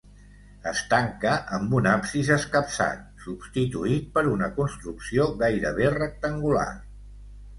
Es tanca amb un absis escapçat, substituït per una construcció gairebé rectangular.